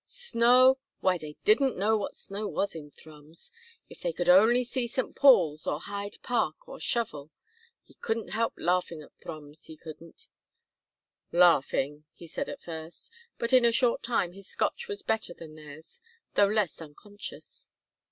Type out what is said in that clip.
Snow! why they didn't know what snow was in Thrums. If they could only see St. Paul's or Hyde Park or Shovel! he couldn't help laughing at Thrums, he couldn't Larfing, he said at first, but in a short time his Scotch was better than theirs, though less unconscious.